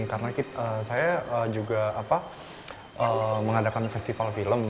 karena saya juga mengadakan festival film